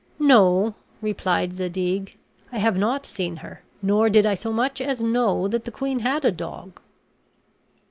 "No," replied Zadig, "I have not seen her, nor did I so much as know that the queen had a dog."